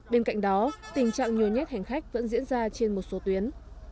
bên cạnh đó tình trạng nhiều nhất hành khách vẫn diễn ra trên một số tuyến